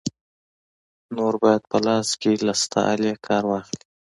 نور باید په لاس کې له شته آلې کار واخلې.